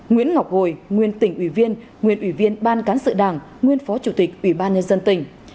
nguyễn ngọc hồi nguyên tỉnh ủy viên nguyên ủy viên ban cán sự đảng nguyên phó chủ tịch ủy ban nhân dân tỉnh